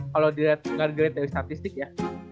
kalau dilihat dari statistik ya